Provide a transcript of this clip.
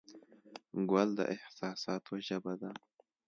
ګل د احساساتو ژبه ده.